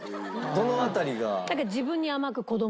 どの辺りが？